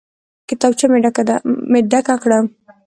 کتابچه مې ډکه کړه.